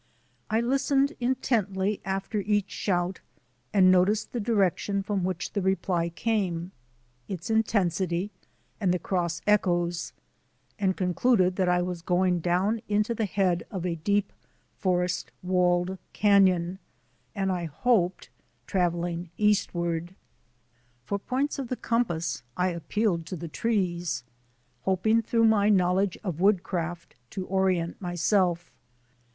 I listened intently 8 THE ADVENTURES OF A NATURE GUIDE after each shout and noticed the direction from which the reply came, its intensity, and the cross echoes, and concluded that I was going down into the head of a deep, forest walled canon, and, I hoped, travelling eastward. For points of the compass I appealed to the trees, hoping through my knowledge of woodcraft to orient myself.